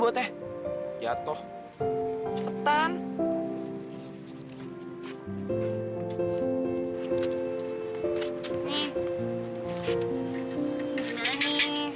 bukan gitu caranya